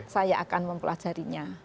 saya akan mempelajarinya